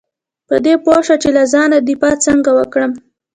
په دې پوه شه چې له ځانه دفاع څنګه وکړم .